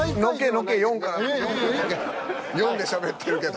４でしゃべってるけど。